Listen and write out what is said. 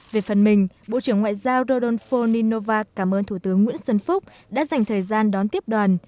về phần mình bộ trưởng ngoại giao rodon fo ninova cảm ơn thủ tướng nguyễn xuân phúc đã dành thời gian đón tiếp đoàn